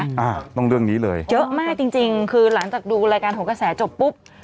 อ่าต้องเรื่องนี้เลยเยอะมากจริงจริงคือหลังจากดูรายการของกระแสจบปุ๊บ